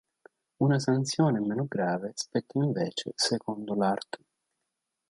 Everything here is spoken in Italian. Una sanzione meno grave spetta invece, secondo l'art.